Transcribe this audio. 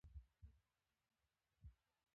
د ریګ دښتې د افغان ښځو په ژوند کې رول لري.